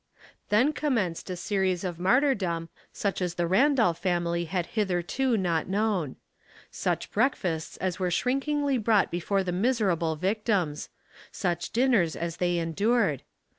Then commenced a series of martyrdom such as the Randolph family had hitherto not known. Such breakfasts as were shrinkingly brought be fore the miserable victims! Such dinners as they endured